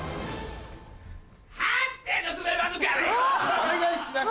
お願いします。